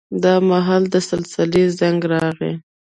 دا مهال د سلسلې زنګ راغی.